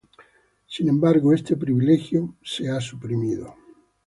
Sin embargo este privilegio ha sido suprimido.